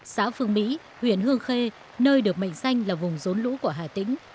xã phương mỹ huyện hương khê nơi được mệnh danh là vùng rốn lũ của hà tĩnh